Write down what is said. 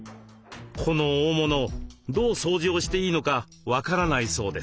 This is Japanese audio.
この大物どう掃除をしていいのか分からないそうです。